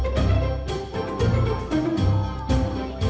เพื่อนรับทราบ